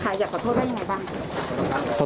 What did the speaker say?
ขายอาจจะขอโทษแล้วยังไงบ้าง